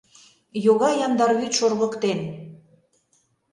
Йога яндар вӱд шоргыктен.